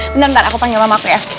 bentar bentar aku panggil mamaku ya